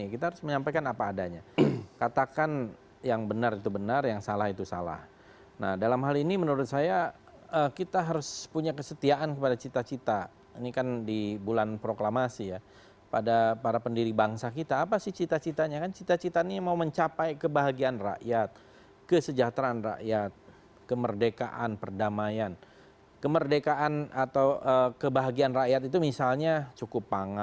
ketika tahu ada informasi dapat penghargaan ini gimana